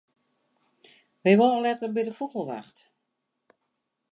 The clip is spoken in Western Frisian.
Wy wolle letter by de fûgelwacht.